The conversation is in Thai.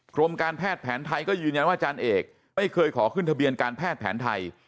กรมการแพทย์แผนไทยก็ยืนยันว่าอาจารย์เอกไม่เคยขอขึ้นทะเบียนการแพทย์แผนไทย